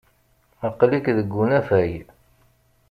Aql-ik deg unafag.